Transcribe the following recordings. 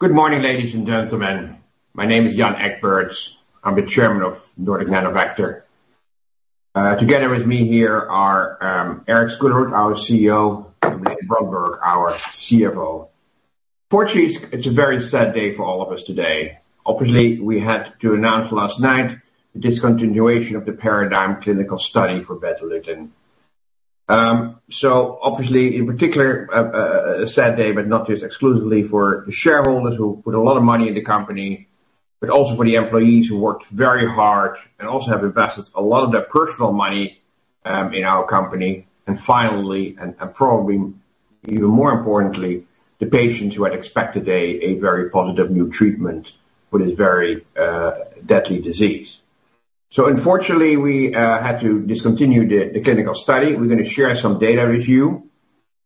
Good morning, ladies and gentlemen. My name is Jan H. Egberts. I'm the Chairman of Nordic Nanovector. Together with me here are Erik Skullerud, our CEO, and Malene Brondberg, our CFO. Fortunately, it's a very sad day for all of us today. Obviously, we had to announce last night the discontinuation of the PARADIGME clinical study for Betalutin. Obviously, in particular, a sad day, but not just exclusively for the shareholders who put a lot of money in the company, but also for the employees who worked very hard and also have invested a lot of their personal money in our company. Finally, and probably even more importantly, the patients who had expected a very positive new treatment for this very deadly disease. Unfortunately, we had to discontinue the clinical study. We're gonna share some data with you.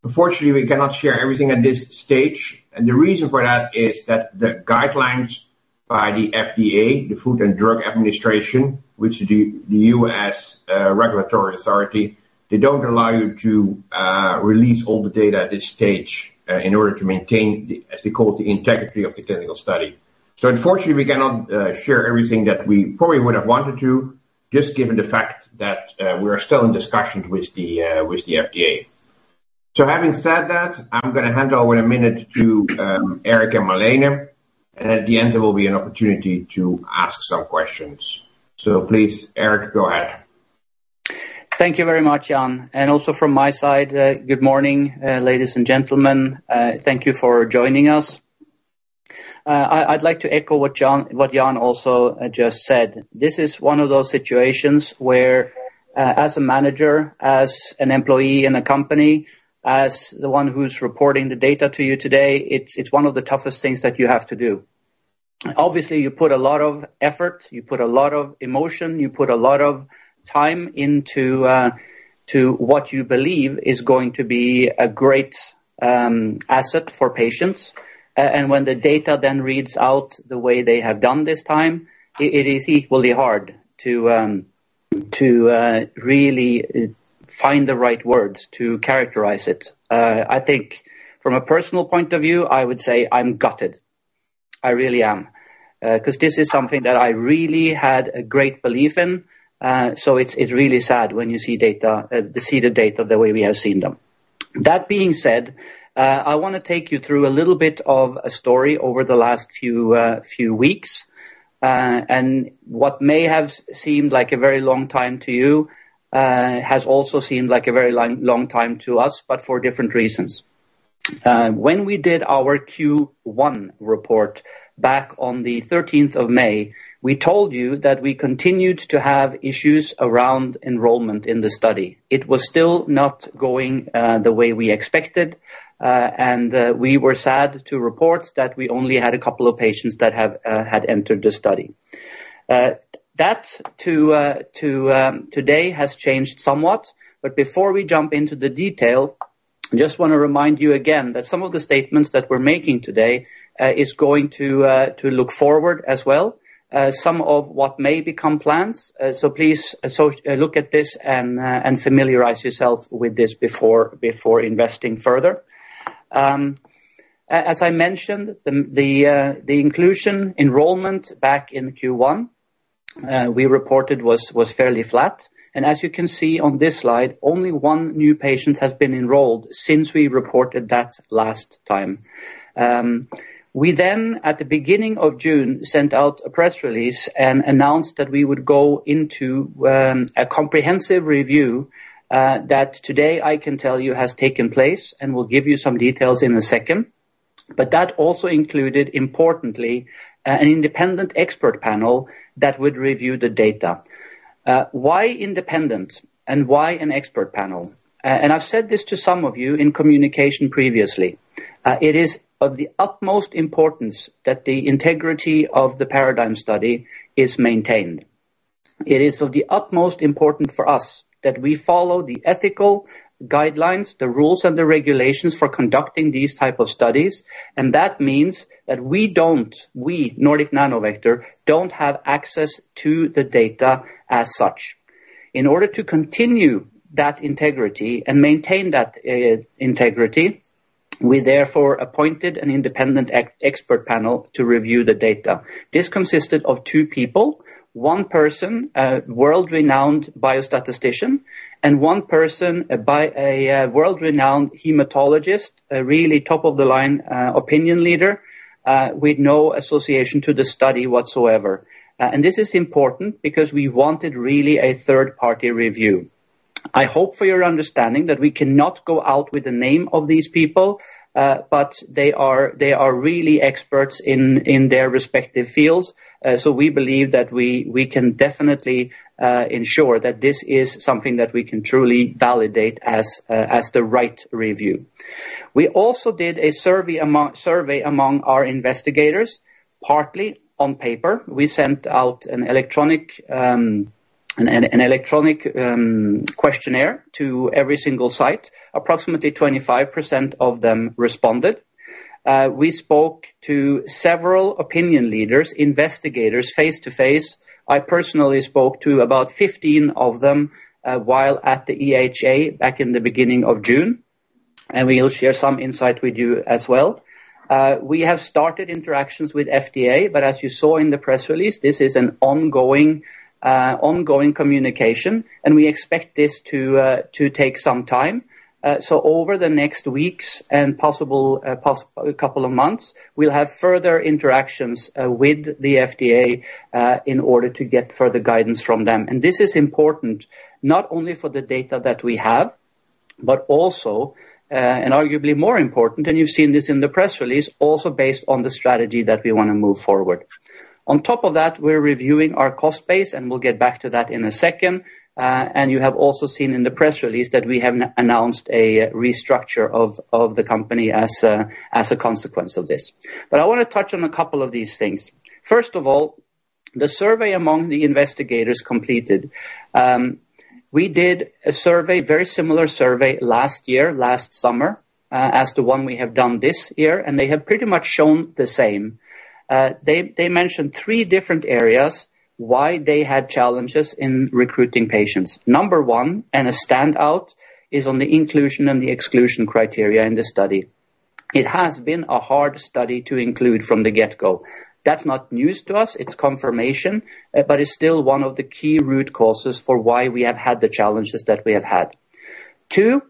Unfortunately, we cannot share everything at this stage, and the reason for that is that the guidelines by the FDA, the Food and Drug Administration, which the US regulatory authority, they don't allow you to release all the data at this stage in order to maintain the, as they call it, the integrity of the clinical study. Unfortunately, we cannot share everything that we probably would have wanted to, just given the fact that we are still in discussions with the FDA. Having said that, I'm gonna hand over in a minute to Erik and Malene, and at the end, there will be an opportunity to ask some questions. Please, Erik, go ahead. Thank you very much, Jan. Also from my side, good morning, ladies and gentlemen. Thank you for joining us. I'd like to echo what Jan also just said. This is one of those situations where, as a manager, as an employee in a company, as the one who's reporting the data to you today, it's one of the toughest things that you have to do. Obviously, you put a lot of effort, you put a lot of emotion, you put a lot of time into what you believe is going to be a great asset for patients. When the data then reads out the way they have done this time, it is equally hard to really find the right words to characterize it. I think from a personal point of view, I would say I'm gutted. I really am. 'Cause this is something that I really had a great belief in, so it's really sad when you see data the way we have seen them. That being said, I wanna take you through a little bit of a story over the last few weeks, and what may have seemed like a very long time to you has also seemed like a very long time to us, but for different reasons. When we did our Q1 report back on the thirteenth of May, we told you that we continued to have issues around enrollment in the study. It was still not going the way we expected, and we were sad to report that we only had a couple of patients that had entered the study. That, too, today has changed somewhat, but before we jump into the detail, just wanna remind you again that some of the statements that we're making today is going to look forward as well, some of what may become plans. Please look at this and familiarize yourself with this before investing further. As I mentioned, the inclusion enrollment back in Q1 we reported was fairly flat. As you can see on this slide, only one new patient has been enrolled since we reported that last time. We then at the beginning of June sent out a press release and announced that we would go into a comprehensive review that today I can tell you has taken place and we'll give you some details in a second. That also included, importantly, an independent expert panel that would review the data. Why independent and why an expert panel? I've said this to some of you in communication previously. It is of the utmost importance that the integrity of the PARADIGME study is maintained. It is of the utmost importance for us that we follow the ethical guidelines, the rules and the regulations for conducting these type of studies, and that means that we, Nordic Nanovector, don't have access to the data as such. In order to continue that integrity and maintain that integrity, we therefore appointed an independent expert panel to review the data. This consisted of two people. One person, a world-renowned biostatistician, and one person, a world-renowned hematologist, a really top-of-the-line opinion leader with no association to the study whatsoever. This is important because we wanted really a third-party review. I hope for your understanding that we cannot go out with the name of these people, but they are really experts in their respective fields. We believe that we can definitely ensure that this is something that we can truly validate as the right review. We also did a survey among our investigators, partly on paper. We sent out an electronic questionnaire to every single site. Approximately 25% of them responded. We spoke to several opinion leaders, investigators face-to-face. I personally spoke to about 15 of them while at the EHA back in the beginning of June, and we'll share some insight with you as well. We have started interactions with FDA, but as you saw in the press release, this is an ongoing communication, and we expect this to take some time. So over the next weeks and possible couple of months, we'll have further interactions with the FDA in order to get further guidance from them. This is important not only for the data that we have, but also, and arguably more important, and you've seen this in the press release, also based on the strategy that we wanna move forward. On top of that, we're reviewing our cost base, and we'll get back to that in a second. You have also seen in the press release that we have announced a restructure of the company as a consequence of this. I wanna touch on a couple of these things. First of all, the survey among the investigators completed. We did a survey, very similar survey last year, last summer, as the one we have done this year, and they have pretty much shown the same. They mentioned three different areas why they had challenges in recruiting patients. Number one, and a standout is on the inclusion and the exclusion criteria in the study. It has been a hard study to include from the get-go. That's not news to us, it's confirmation, but it's still one of the key root causes for why we have had the challenges that we have had. Two,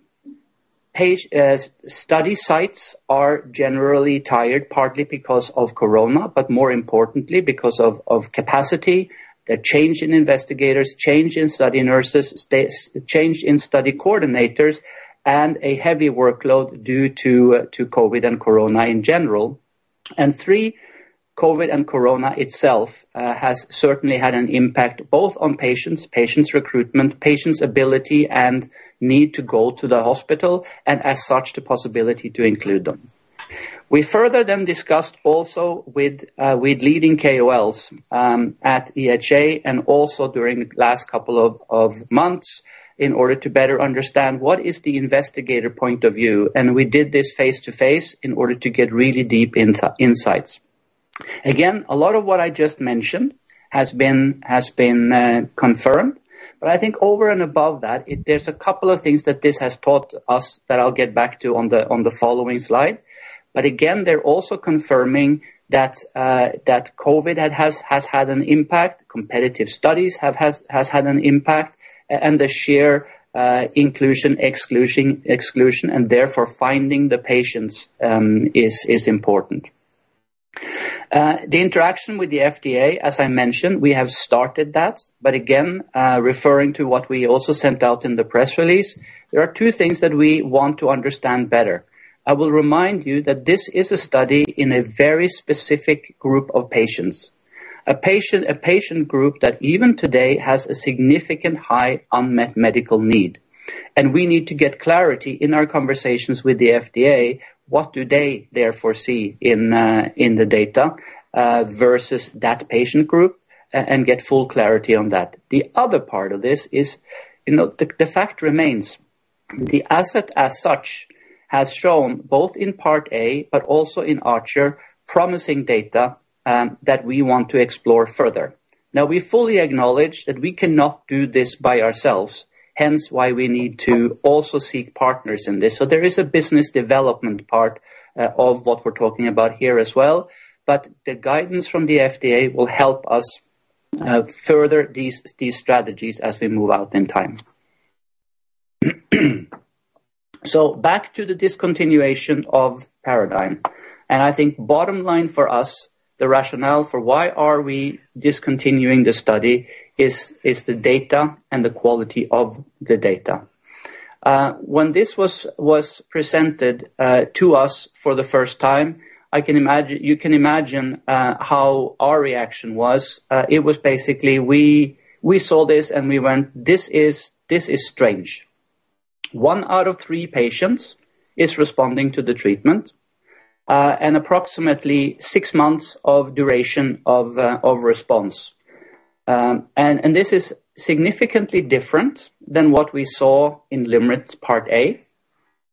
study sites are generally tired, partly because of corona, but more importantly because of capacity. The change in investigators, change in study nurses, change in study coordinators, and a heavy workload due to COVID and corona in general. Three, COVID and corona itself has certainly had an impact both on patients recruitment, patients' ability and need to go to the hospital, and as such, the possibility to include them. We further then discussed also with leading KOLs at EHA and also during the last couple of months in order to better understand what is the investigator point of view, and we did this face-to-face in order to get really deep insights. Again, a lot of what I just mentioned has been confirmed, but I think over and above that, there's a couple of things that this has taught us that I'll get back to on the following slide. Again, they're also confirming that COVID has had an impact, competitive studies have had an impact, and the sheer inclusion, exclusion, and therefore finding the patients is important. The interaction with the FDA, as I mentioned, we have started that, but again, referring to what we also sent out in the press release, there are two things that we want to understand better. I will remind you that this is a study in a very specific group of patients. A patient group that even today has a significant high unmet medical need, and we need to get clarity in our conversations with the FDA, what do they therefore see in the data versus that patient group and get full clarity on that. The other part of this is, you know, the fact remains, the asset as such has shown both in Part A but also in Archer promising data, that we want to explore further. Now, we fully acknowledge that we cannot do this by ourselves, hence why we need to also seek partners in this. There is a business development part of what we're talking about here as well, but the guidance from the FDA will help us further these strategies as we move out in time. Back to the discontinuation of PARADIGME. I think bottom line for us, the rationale for why are we discontinuing the study is the data and the quality of the data. When this was presented to us for the first time, you can imagine how our reaction was. It was basically we saw this, and we went, "This is strange." One out of three patients is responding to the treatment, and approximately six months of duration of response. This is significantly different than what we saw in LYMRIT's Part A,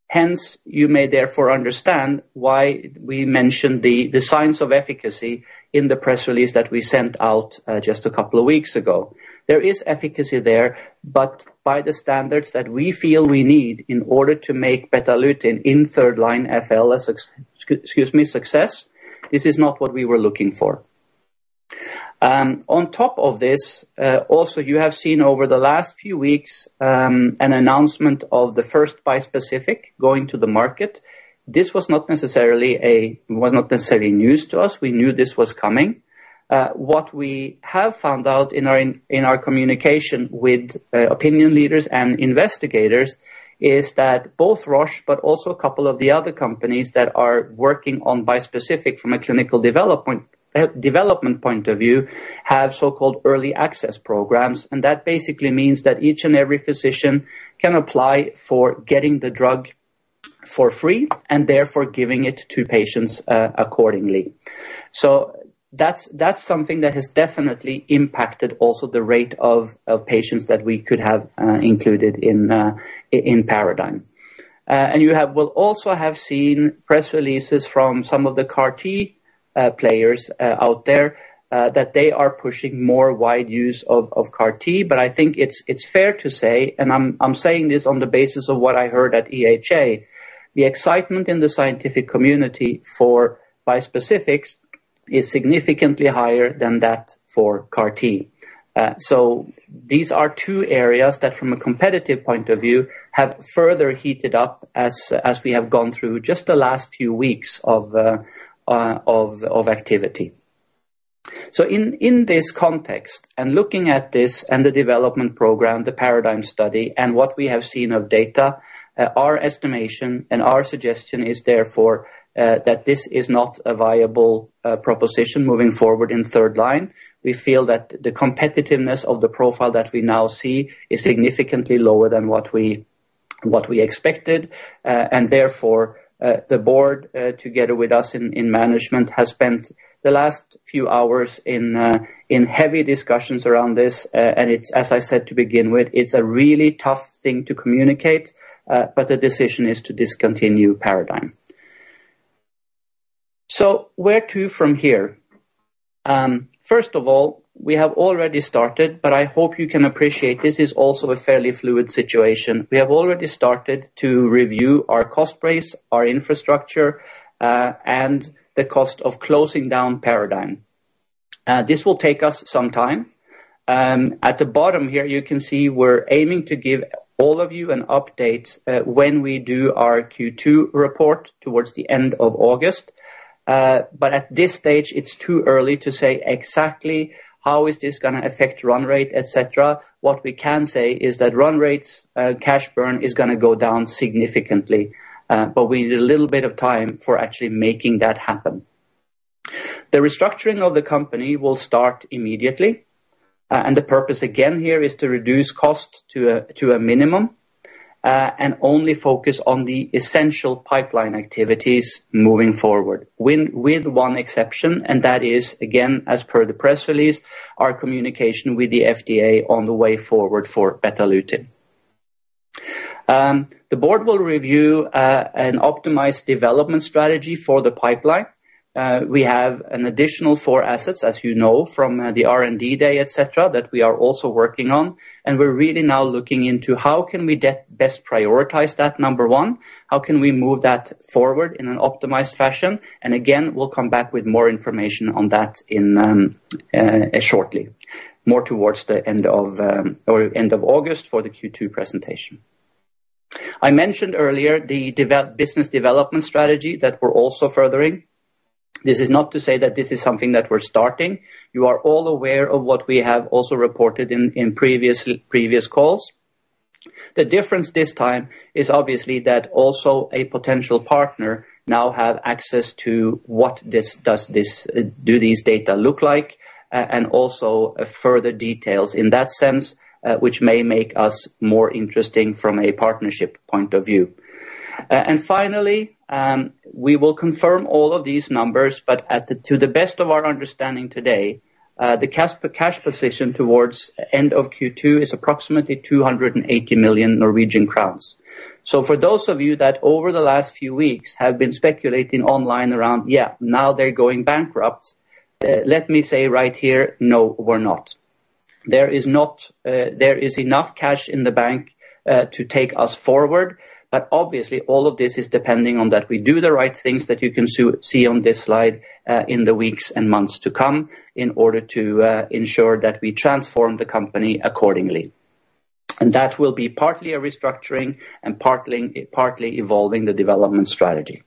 hence you may therefore understand why we mentioned the signs of efficacy in the press release that we sent out just a couple of weeks ago. There is efficacy there, but by the standards that we feel we need in order to make Betalutin in third line FL success, this is not what we were looking for. On top of this, also you have seen over the last few weeks an announcement of the first bispecific going to the market. This was not necessarily news to us. We knew this was coming. What we have found out in our communication with opinion leaders and investigators is that both Roche but also a couple of the other companies that are working on bispecific from a clinical development point of view have so-called early access programs. That basically means that each and every physician can apply for getting the drug for free and therefore giving it to patients accordingly. That's something that has definitely impacted also the rate of patients that we could have included in PARADIGME. You will also have seen press releases from some of the CAR-T players out there that they are pushing more wide use of CAR-T. I think it's fair to say, and I'm saying this on the basis of what I heard at EHA, the excitement in the scientific community for bispecifics is significantly higher than that for CAR-T. These are two areas that from a competitive point of view, have further heated up as we have gone through just the last few weeks of activity. In this context, and looking at this and the development program, the PARADIGME study, and what we have seen of data, our estimation and our suggestion is therefore that this is not a viable proposition moving forward in third line. We feel that the competitiveness of the profile that we now see is significantly lower than what we expected. Therefore, the board, together with us in management, has spent the last few hours in heavy discussions around this. It's, as I said to begin with, a really tough thing to communicate, but the decision is to discontinue PARADIGME. Where to from here? First of all, we have already started, but I hope you can appreciate this is also a fairly fluid situation. We have already started to review our cost base, our infrastructure, and the cost of closing down PARADIGME. This will take us some time. At the bottom here, you can see we're aiming to give all of you an update when we do our Q2 report towards the end of August. At this stage, it's too early to say exactly how is this gonna affect run rate, et cetera. What we can say is that run rates, cash burn is gonna go down significantly, but we need a little bit of time for actually making that happen. The restructuring of the company will start immediately. The purpose again here is to reduce cost to a minimum, and only focus on the essential pipeline activities moving forward. With one exception, and that is, again, as per the press release, our communication with the FDA on the way forward for Betalutin. The board will review an optimized development strategy for the pipeline. We have an additional four assets, as you know, from the R&D day, et cetera, that we are also working on, and we're really now looking into how can we best prioritize that, number one. How can we move that forward in an optimized fashion? We'll come back with more information on that shortly. More towards the end of or end of August for the Q2 presentation. I mentioned earlier the business development strategy that we're also furthering. This is not to say that this is something that we're starting. You are all aware of what we have also reported in previous calls. The difference this time is obviously that also a potential partner now have access to what these data look like, and also further details in that sense, which may make us more interesting from a partnership point of view. Finally, we will confirm all of these numbers, but to the best of our understanding to date, the cash position towards end of Q2 is approximately 280 million Norwegian crowns. For those of you that over the last few weeks have been speculating online around, "Yeah, now they're going bankrupt," let me say right here, no, we're not. There is enough cash in the bank to take us forward, but obviously all of this is depending on that we do the right things that you can see on this slide in the weeks and months to come in order to ensure that we transform the company accordingly. That will be partly a restructuring and partly evolving the development strategy.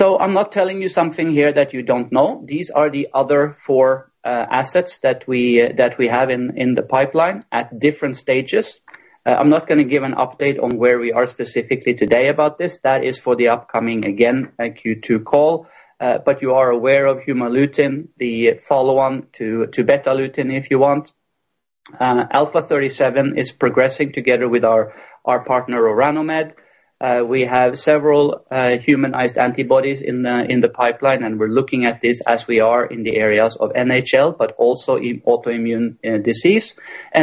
I'm not telling you something here that you don't know. These are the other four assets that we have in the pipeline at different stages. I'm not gonna give an update on where we are specifically today about this. That is for the upcoming, again, Q2 call. But you are aware of Humalutin, the follow-on to Betalutin, if you want. Alpha-37 is progressing together with our partner Orano Med. We have several humanized antibodies in the pipeline, and we're looking at this as we are in the areas of NHL, but also in autoimmune disease.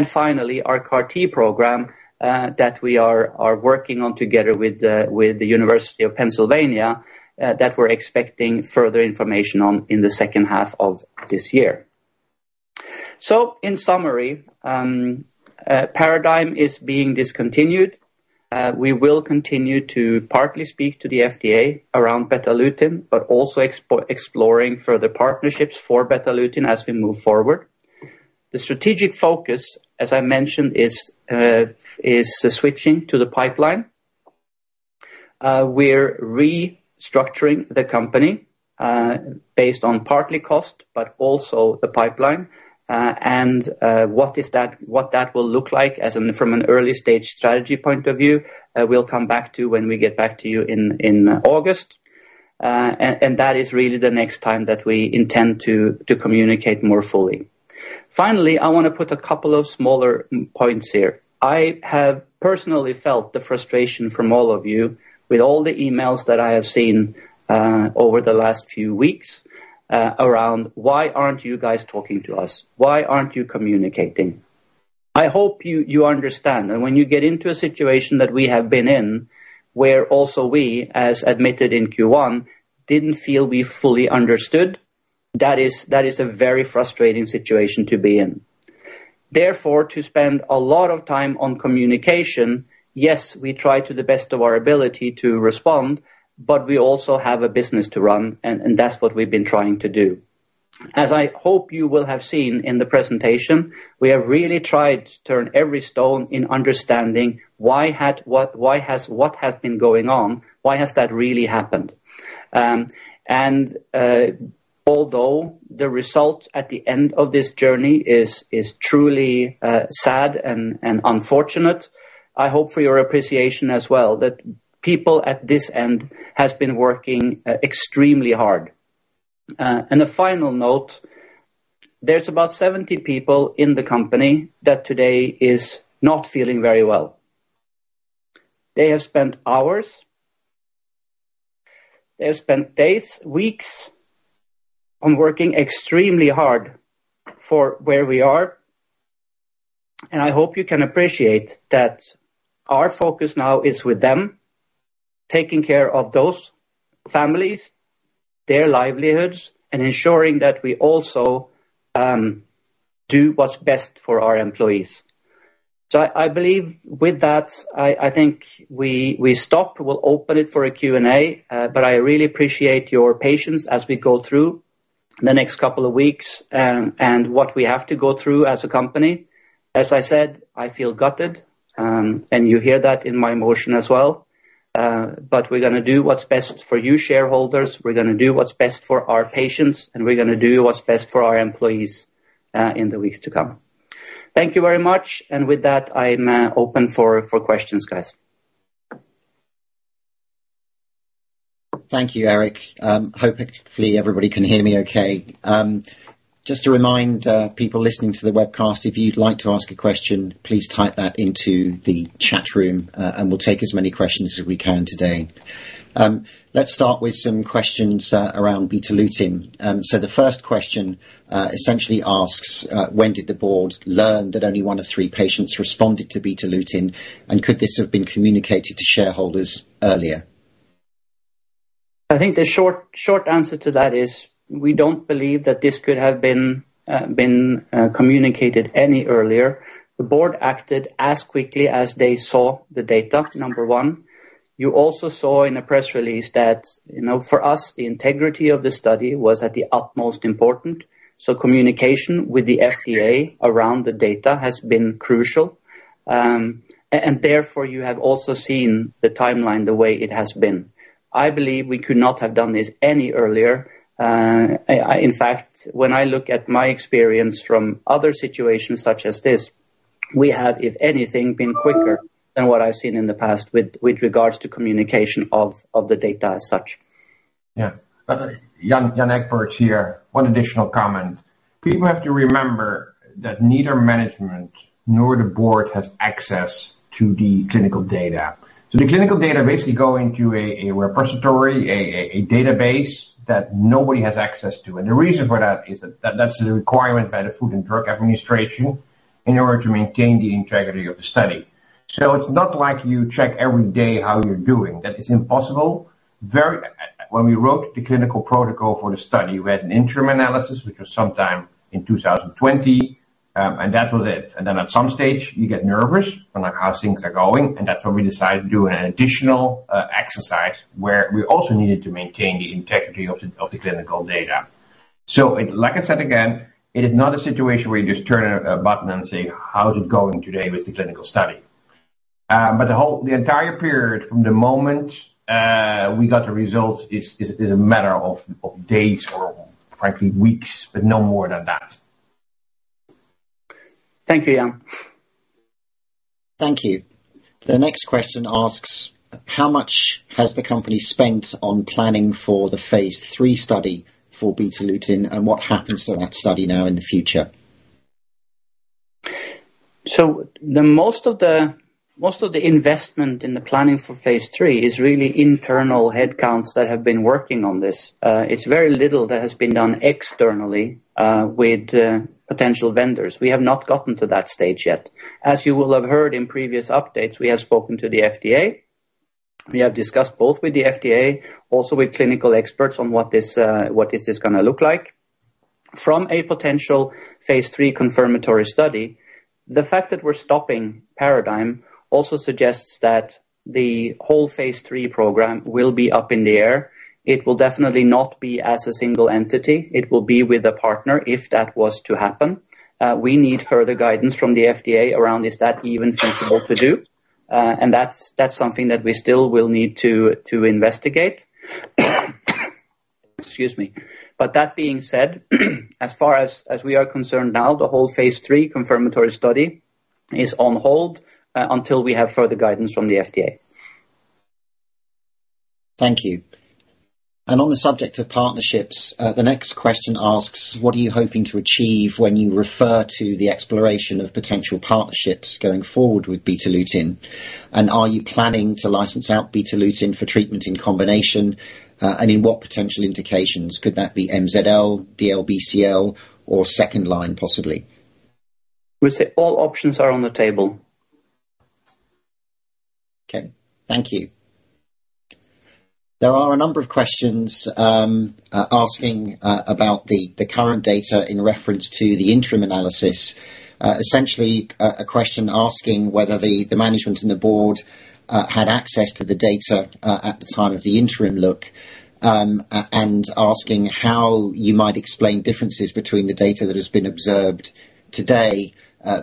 Finally, our CAR-T program that we are working on together with the University of Pennsylvania that we're expecting further information on in the second half of this year. In summary, PARADIGME is being discontinued. We will continue to partly speak to the FDA around Betalutin, but also exploring further partnerships for Betalutin as we move forward. The strategic focus, as I mentioned, is switching to the pipeline. We're restructuring the company based partly on cost, but also the pipeline. What that will look like as from an early stage strategy point of view, we'll come back to when we get back to you in August. That is really the next time that we intend to communicate more fully. Finally, I want to put a couple of smaller points here. I have personally felt the frustration from all of you with all the emails that I have seen, over the last few weeks, around why aren't you guys talking to us? Why aren't you communicating? I hope you understand that when you get into a situation that we have been in, where also we, as admitted in Q1, didn't feel we fully understood. That is a very frustrating situation to be in. Therefore, to spend a lot of time on communication, yes, we try to the best of our ability to respond, but we also have a business to run, and that's what we've been trying to do. As I hope you will have seen in the presentation, we have really tried to turn every stone in understanding what has been going on, why has that really happened. Although the result at the end of this journey is truly sad and unfortunate, I hope for your appreciation as well that people at this end has been working extremely hard. A final note, there's about 70 people in the company that today is not feeling very well. They have spent hours, they have spent days, weeks on working extremely hard for where we are, and I hope you can appreciate that our focus now is with them, taking care of those families, their livelihoods, and ensuring that we also do what's best for our employees. I believe with that, I think we stop. We'll open it for a Q&A, but I really appreciate your patience as we go through the next couple of weeks, and what we have to go through as a company. As I said, I feel gutted, and you hear that in my emotion as well. We're gonna do what's best for you shareholders, we're gonna do what's best for our patients, and we're gonna do what's best for our employees, in the weeks to come. Thank you very much. With that, I'm open for questions, guys. Thank you, Erik. Hopefully everybody can hear me okay. Just to remind people listening to the webcast, if you'd like to ask a question, please type that into the chat room, and we'll take as many questions as we can today. Let's start with some questions around Betalutin. The first question essentially asks when did the board learn that only one of three patients responded to Betalutin, and could this have been communicated to shareholders earlier? I think the short answer to that is we don't believe that this could have been communicated any earlier. The board acted as quickly as they saw the data, number one. You also saw in a press release that, you know, for us, the integrity of the study was at the utmost important. Communication with the FDA around the data has been crucial. Therefore, you have also seen the timeline the way it has been. I believe we could not have done this any earlier. In fact, when I look at my experience from other situations such as this, we have, if anything, been quicker than what I've seen in the past with regards to communication of the data as such. Yeah. Jan H. Egberts here. One additional comment. People have to remember that neither management nor the board has access to the clinical data. The clinical data basically go into a repository, a database that nobody has access to. The reason for that is that that's the requirement by the Food and Drug Administration in order to maintain the integrity of the study. It's not like you check every day how you're doing. That is impossible. When we wrote the clinical protocol for the study, we had an interim analysis, which was sometime in 2020, and that was it. Then at some stage, you get nervous on like how things are going, and that's when we decided to do an additional exercise where we also needed to maintain the integrity of the clinical data. Like I said again, it is not a situation where you just turn a button and say, "How is it going today with the clinical study?" The entire period from the moment we got the results is a matter of days or frankly, weeks, but no more than that. Thank you, Jan. Thank you. The next question asks, how much has the company spent on planning for the Phase III study for Betalutin, and what happens to that study now in the future? The most of the investment in the planning for phase III is really internal headcounts that have been working on this. It's very little that has been done externally with potential vendors. We have not gotten to that stage yet. As you will have heard in previous updates, we have spoken to the FDA. We have discussed both with the FDA, also with clinical experts on what this is gonna look like. From a potential phase III confirmatory study, the fact that we're stopping PARADIGME also suggests that the whole phase III program will be up in the air. It will definitely not be as a single entity. It will be with a partner, if that was to happen. We need further guidance from the FDA around is that even sensible to do? That's something that we still will need to investigate. Excuse me. That being said, as far as we are concerned now, the whole Phase III confirmatory study is on hold until we have further guidance from the FDA. Thank you. On the subject of partnerships, the next question asks, what are you hoping to achieve when you refer to the exploration of potential partnerships going forward with Betalutin? Are you planning to license out Betalutin for treatment in combination? In what potential indications could that be MZL, DLBCL, or second line possibly? We say all options are on the table. Okay. Thank you. There are a number of questions, asking about the current data in reference to the interim analysis. Essentially a question asking whether the management and the board had access to the data at the time of the interim look, and asking how you might explain differences between the data that has been observed today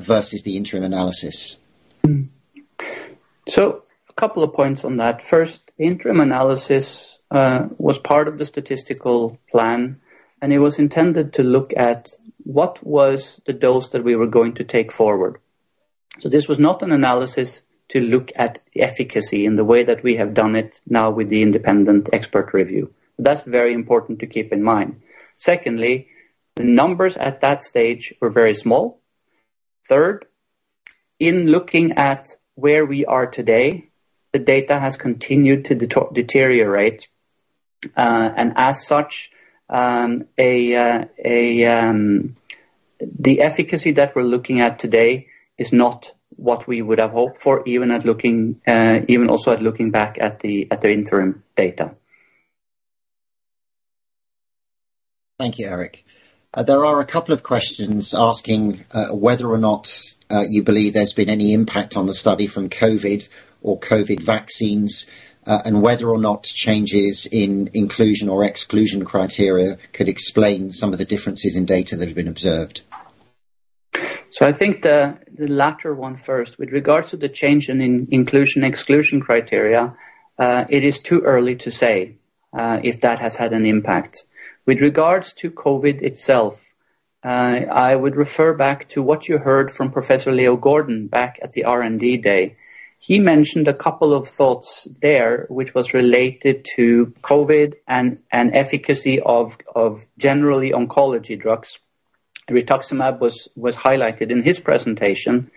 versus the interim analysis. A couple of points on that. First, interim analysis was part of the statistical plan, and it was intended to look at what was the dose that we were going to take forward. This was not an analysis to look at the efficacy in the way that we have done it now with the independent expert review. That's very important to keep in mind. Secondly, the numbers at that stage were very small. Third, in looking at where we are today, the data has continued to deteriorate, and as such, the efficacy that we're looking at today is not what we would have hoped for, even at looking, even also at looking back at the interim data. Thank you, Erik. There are a couple of questions asking whether or not you believe there's been any impact on the study from COVID or COVID vaccines, and whether or not changes in inclusion or exclusion criteria could explain some of the differences in data that have been observed. I think the latter one first. With regards to the change in inclusion, exclusion criteria, it is too early to say if that has had an impact. With regards to COVID itself, I would refer back to what you heard from Professor Leo I. Gordon back at the R&D Day. He mentioned a couple of thoughts there, which was related to COVID and efficacy of generally oncology drugs. Rituximab was highlighted in his presentation.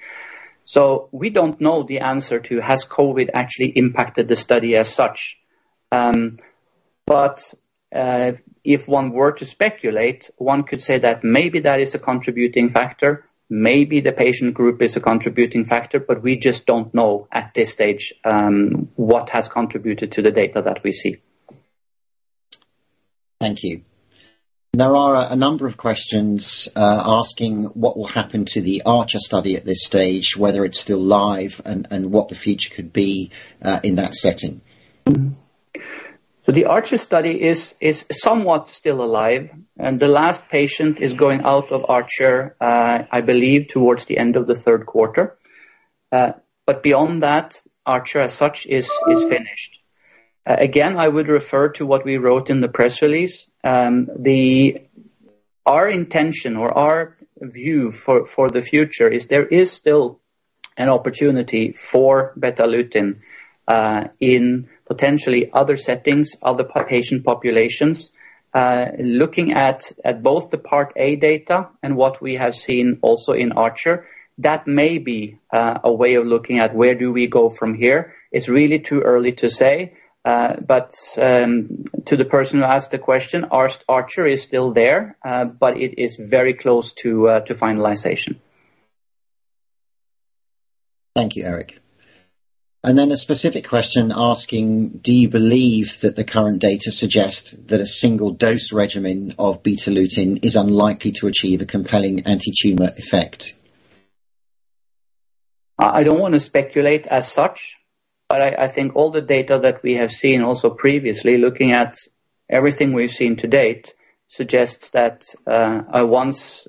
We don't know the answer to has COVID actually impacted the study as such. But if one were to speculate, one could say that maybe that is a contributing factor. Maybe the patient group is a contributing factor, but we just don't know at this stage what has contributed to the data that we see. Thank you. There are a number of questions asking what will happen to the Archer-1 study at this stage, whether it's still live, and what the future could be in that setting. The Archer-1 study is somewhat still alive. The last patient is going out of Archer-1, I believe towards the end of the third quarter. Beyond that, Archer-1 as such is finished. Again, I would refer to what we wrote in the press release. Our intention or our view for the future is there is still an opportunity for Betalutin in potentially other settings, other patient populations. Looking at both the Part A data and what we have seen also in Archer-1, that may be a way of looking at where do we go from here. It's really too early to say. To the person who asked the question, Archer-1 is still there, but it is very close to finalization. Thank you, Erik. A specific question asking, do you believe that the current data suggests that a single dose regimen of Betalutin is unlikely to achieve a compelling antitumor effect? I don't wanna speculate as such, but I think all the data that we have seen also previously, looking at everything we've seen to date, suggests that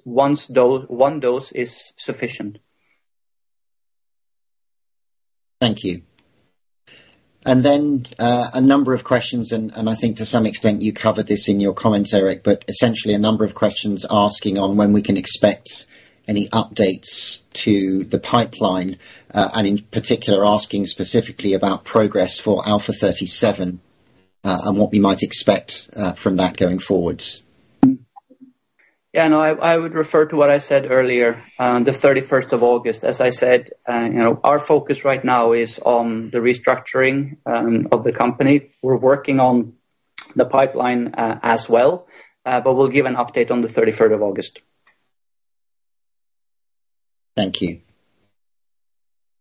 one dose is sufficient. Thank you. Then, a number of questions, and I think to some extent you covered this in your comments, Erik, but essentially a number of questions asking on when we can expect any updates to the pipeline, and in particular asking specifically about progress for Alpha-37, and what we might expect from that going forwards. Yeah, no. I would refer to what I said earlier on the thirty-first of August. As I said, you know, our focus right now is on the restructuring of the company. We're working on the pipeline as well, but we'll give an update on the thirty-first of August. Thank you.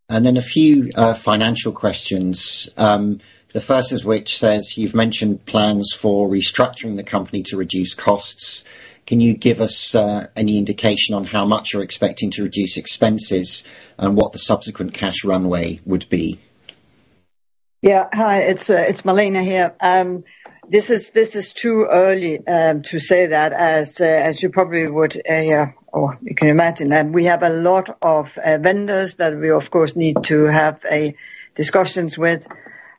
A few financial questions. The first is which says, you've mentioned plans for restructuring the company to reduce costs. Can you give us any indication on how much you're expecting to reduce expenses and what the subsequent cash runway would be? Yeah. Hi, it's Malene Brondberg here. This is too early to say that as you probably would or you can imagine. We have a lot of vendors that we of course need to have discussions with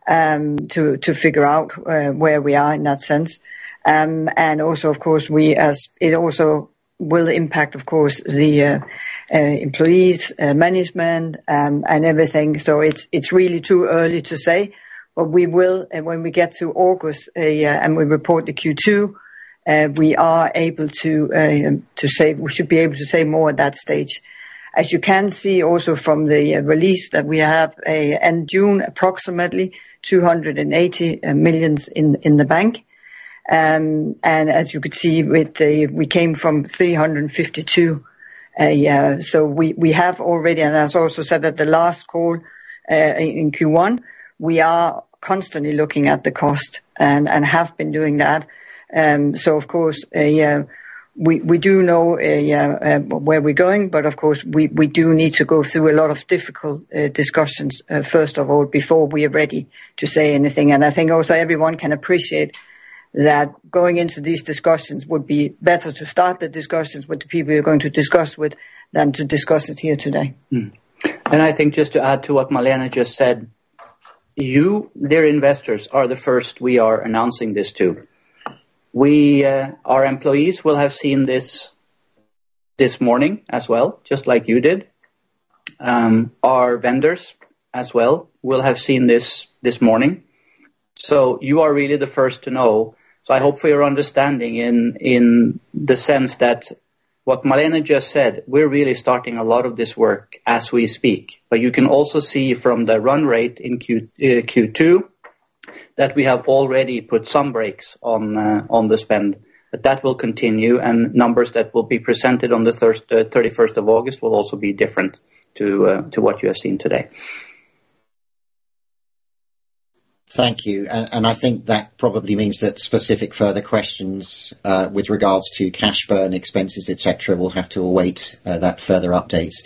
to figure out where we are in that sense. Also, of course, it also will impact, of course, the employees, management and everything. It's really too early to say, but when we get to August and we report the Q2, we should be able to say more at that stage. As you can see also from the release that we have end June, approximately 280 million in the bank. As you could see with the... We came from 352, so we have already. As also said at the last call, in Q1, we are constantly looking at the cost and have been doing that. Of course, we do know where we're going, but of course, we do need to go through a lot of difficult discussions, first of all, before we are ready to say anything. I think also everyone can appreciate that going into these discussions would be better to start the discussions with the people you're going to discuss with than to discuss it here today. I think just to add to what Malene just said, you, their investors are the first we are announcing this to. Our employees will have seen this this morning as well, just like you did. Our vendors as well will have seen this this morning. You are really the first to know. I hope for your understanding in the sense that what Malene just said, we're really starting a lot of this work as we speak. You can also see from the run rate in Q2 that we have already put some brakes on the spend. That will continue, and numbers that will be presented on the thirty-first of August will also be different to what you have seen today. Thank you. I think that probably means that specific further questions, with regards to cash burn, expenses, et cetera, will have to await that further update.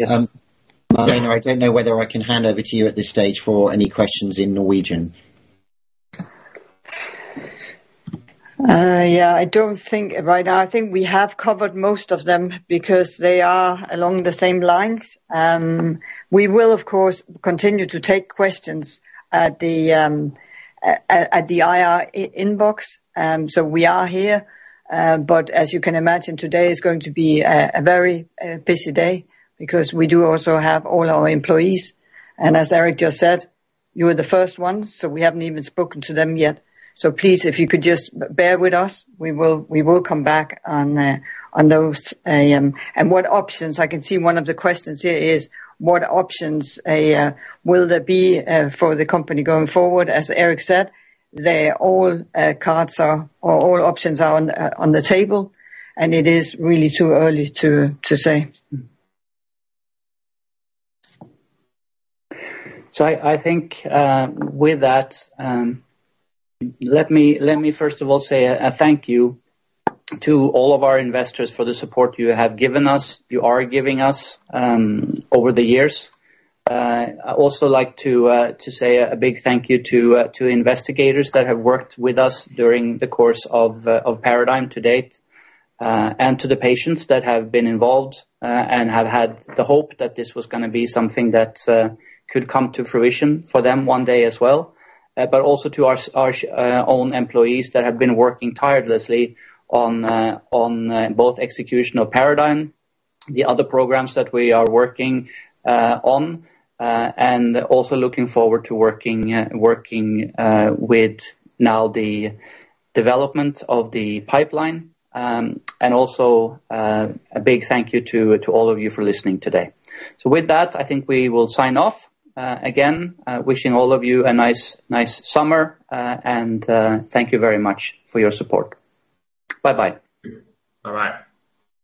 Yes. Malene, I don't know whether I can hand over to you at this stage for any questions in Norwegian. Yeah, I don't think right now. I think we have covered most of them because they are along the same lines. We will, of course, continue to take questions at the IR inbox. We are here. But as you can imagine, today is going to be a very busy day because we do also have all our employees. As Erik just said, you are the first ones, so we haven't even spoken to them yet. Please, if you could just bear with us, we will come back on those. I can see one of the questions here is what options will there be for the company going forward? As Erik said, all options are on the table, and it is really too early to say. I think with that, let me first of all say a thank you to all of our investors for the support you have given us, you are giving us over the years. I also like to say a big thank you to investigators that have worked with us during the course of PARADIGME to date. To the patients that have been involved and have had the hope that this was gonna be something that could come to fruition for them one day as well. Also to our own employees that have been working tirelessly on both execution of PARADIGME, the other programs that we are working on, and also looking forward to working with now the development of the pipeline. Also, a big thank you to all of you for listening today. With that, I think we will sign off. Again, wishing all of you a nice summer, and thank you very much for your support. Bye bye. Bye bye.